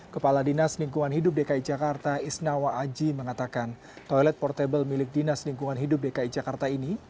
kepala dinas lingkungan hidup dki jakarta isnawa aji mengatakan toilet portable milik dinas lingkungan hidup dki jakarta ini